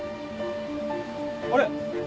あれ？